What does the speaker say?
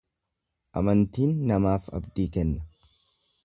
Amantiin namaaf abdii kenna.